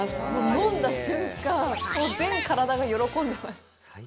飲んだ瞬間、全体が喜んでます。